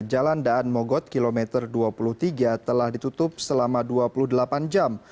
jalan daan mogot kilometer dua puluh tiga telah ditutup selama dua puluh delapan jam